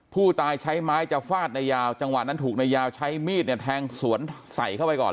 ผู้ตายใช้ไม้จะฟาดนายยาวจังหวะนั้นถูกนายยาวใช้มีดเนี่ยแทงสวนใส่เข้าไปก่อน